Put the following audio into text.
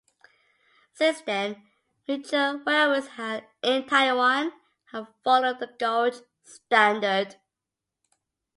Since then, major railways in Taiwan have followed the gauge standard.